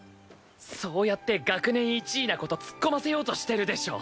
そうやって学年１位な事ツッコませようとしてるでしょ？